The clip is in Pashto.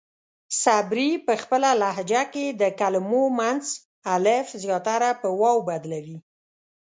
صبري پۀ خپله لهجه کې د کلمو منځ الف زياتره پۀ واو بدلوي.